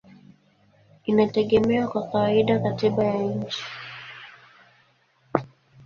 inategemea kwa kawaida katiba ya nchi.